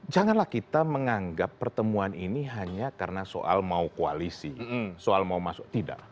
janganlah kita menganggap pertemuan ini hanya karena soal mau koalisi soal mau masuk tidak